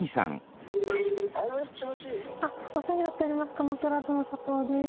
「鎌倉殿」佐藤です。